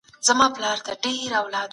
د جنس بدلولو تصور هم راغلی دی.